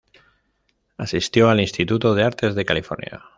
Asistió al Instituto de Artes de California.